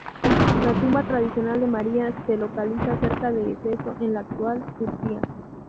La tumba tradicional de María se localiza cerca de Éfeso, en la actual Turquía.